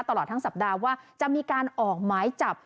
ตลอดทั้งสัปดาห์ว่าจะมีการออกหมายจับ